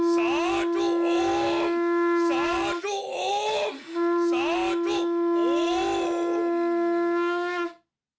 สาธุโอ้มสาธุโอ้มสาธุโอ้ม